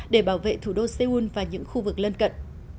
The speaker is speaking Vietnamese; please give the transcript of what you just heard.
để bảo vệ thủ đô seoul và những khu vực lân cận